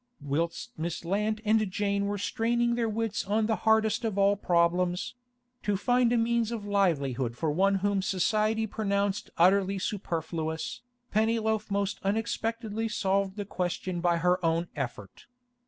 Whilst Miss Lant and Jane were straining their wits on the hardest of all problems—to find a means of livelihood for one whom society pronounced utterly superfluous, Pennyloaf most unexpectedly solved the question by her own effort.